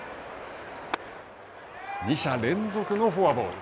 ２者連続のフォアボール。